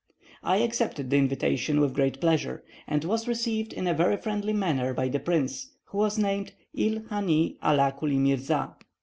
I accepted the invitation with great pleasure, and was received in a very friendly manner by the prince, who was named Il Hany Ala Culy Mirza.